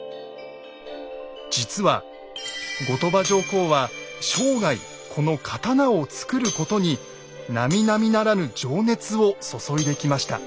実は後鳥羽上皇は生涯この刀を作ることになみなみならぬ情熱を注いできました。